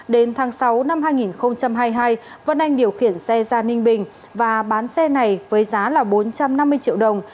đến tháng sáu năm hai nghìn hai mươi hai vân anh điều khiển xe ra ninh bình và bán xe này với giá là bốn trăm năm mươi triệu đồng